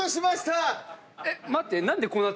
えっ待って。